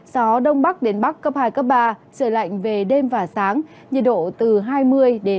gió đông bắc đến bắc cấp hai ba trời lạnh về đêm và sáng nhiệt độ từ hai mươi hai mươi bốn độ